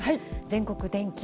全国の天気